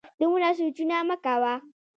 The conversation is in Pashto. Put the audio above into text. دومره سوچونه مه کوه